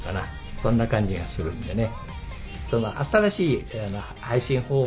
そんな感じがするんでね。